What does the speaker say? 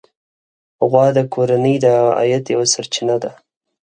غوا د کورنۍ د عاید یوه سرچینه ده.